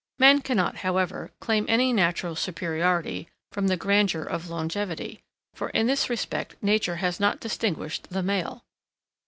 Men cannot, however, claim any natural superiority from the grandeur of longevity; for in this respect nature has not distinguished the male.